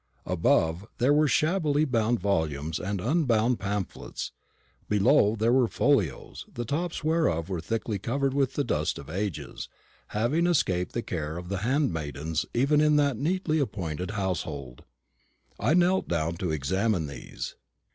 Above, there were shabbily bound volumes and unbound pamphlets. Below, there were folios, the tops whereof were thickly covered with the dust of ages, having escaped the care of the handmaidens even in that neatly appointed household. I knelt down to examine these.